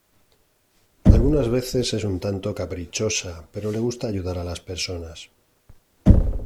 Algunas veces es un tanto caprichosa, pero le gusta ayudar a las personas.